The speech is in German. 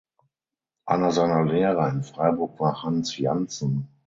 Einer seiner Lehrer in Freiburg war Hans Jantzen.